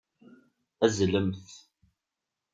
Azzelemt.